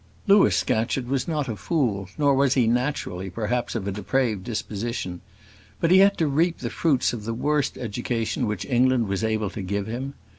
Louis Scatcherd was not a fool, nor was he naturally, perhaps, of a depraved disposition; but he had to reap the fruits of the worst education which England was able to give him.